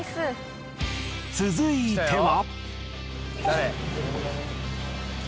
続いては。